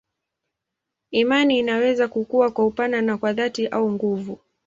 Imani inaweza kukua kwa upana na kwa dhati au nguvu.